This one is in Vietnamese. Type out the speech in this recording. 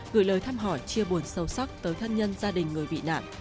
gửi lời thăm hỏi chia buồn sâu sắc tới thân nhân gia đình người bị nạn